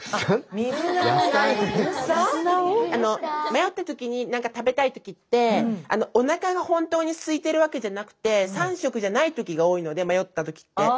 迷った時に食べたい時っておなかが本当にすいてるわけじゃなくて３食じゃない時が多いので迷った時って。